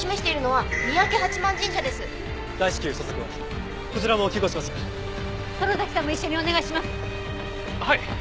はい！